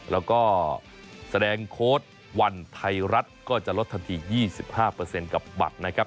แล้วก็แสดงโค้ดวันไทรัฐก็จะลดทันที๒๕เปอร์เซ็นต์กับบัตรนะครับ